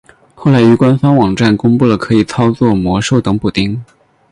后来于官方网站公布了可以操作魔兽等补丁。